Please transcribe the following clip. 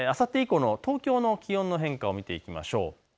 あさって以降の東京の気温の変化を見ていきましょう。